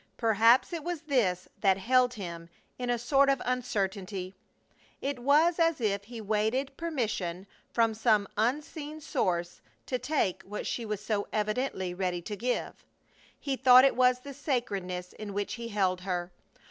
Perhaps it was this that held him in a sort of uncertainty. It was as if he waited permission from some unseen source to take what she was so evidently ready to give. He thought it was the sacredness in which he held her.